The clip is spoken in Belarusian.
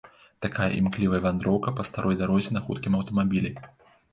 Такая імклівая вандроўка па старой дарозе на хуткім аўтамабілі.